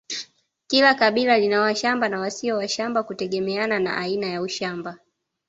Kila kabila lina washamba na wasio washamba kutegemeana na aina ya ushamba